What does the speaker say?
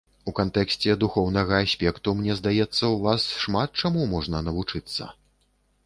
У кантэксце духоўнага аспекту, мне здаецца, у вас шмат чаму можна навучыцца.